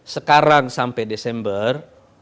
sekarang sampai desember